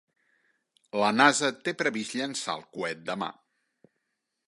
La NASA té previst llançar el coet demà.